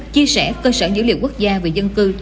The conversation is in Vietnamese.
chia sẻ cơ sở dữ liệu quốc gia về dân cư